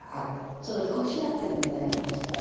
その古紙集めもやりました。